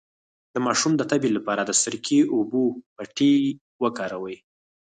د ماشوم د تبې لپاره د سرکې او اوبو پټۍ وکاروئ